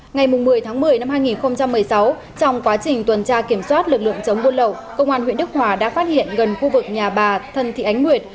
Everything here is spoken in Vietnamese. ngày một mươi tháng một mươi năm hai nghìn một mươi sáu trong quá trình tuần tra kiểm soát lực lượng chống buôn lậu công an huyện đức hòa đã phát hiện gần khu vực nhà bà thân thị ánh nguyệt